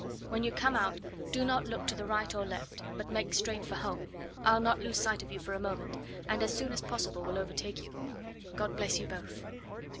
"When you come out do not look to the right or left, but make straight for home; I'll not lose sight of you for a moment, and as soon as possible will overtake you. God bless you both."